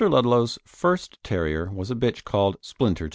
Ludlow's first terrier was a bitch called Splinter II.